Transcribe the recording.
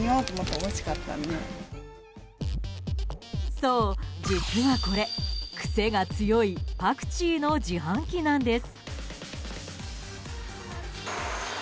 そう、実はこれ、癖が強いパクチーの自販機なんです。